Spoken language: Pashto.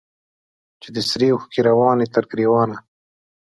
چي دي سرې اوښکي رواني تر ګرېوانه